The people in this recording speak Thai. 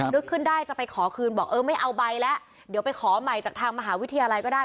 นึกขึ้นได้จะไปขอคืนบอกเออไม่เอาใบแล้วเดี๋ยวไปขอใหม่จากทางมหาวิทยาลัยก็ได้